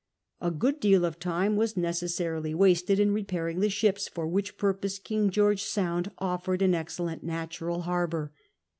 A good deal of time was necessarily wasted in rejiairing the ships, for which purpose King George Sound offered an excellent natui al liarbour.